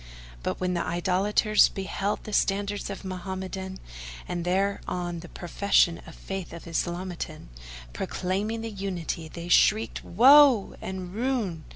But when the Idolaters beheld the standards Mohammedan and there on the profession of Faith Islamitan, proclaiming the Unity, they shrieked "Woe!" and "Ruin!"